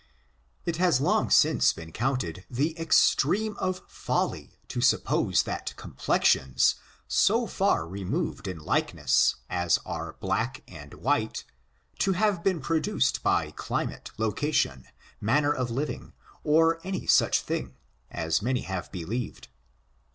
It has long since been counted the extreme of fol ly to suppose that complexions, so far removed in likeness, as are black and white, to have been pro duced by climatey location, manner of living, or any such thing, as many have believed.